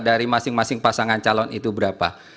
dari masing masing pasangan calon itu berapa